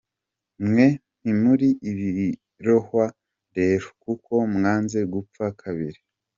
Mwe ntimuri ibirohwa rero kuko mwanze gupfa kabiri.